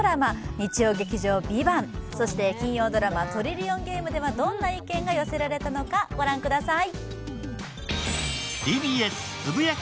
日曜劇場「ＶＩＶＡＮＴ」、そして金曜ドラマ「トリリオンゲーム」ではどんな意見が寄せられたのか、ご覧ください。